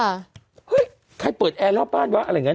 เฮ้ยใครเปิดแอร์รอบบ้านวะอะไรอย่างนี้